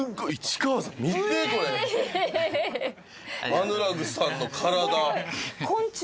アヌラグさんの体。